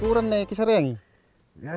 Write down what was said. berapa ini harga